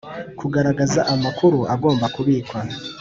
Kugaragaza amakuru agomba kubikwa